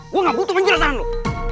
gue gak butuh penjelasan loh